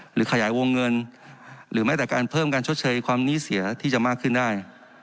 หรือขยายวงเงินหรือแม้แต่การเพิ่มการชดเชยความนี้เสียที่จะมากขึ้นได้